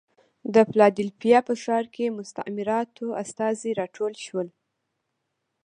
د فلادلفیا په ښار کې مستعمراتو استازي راټول شول.